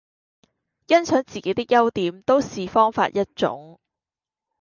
欣賞自己的優點都是方法一種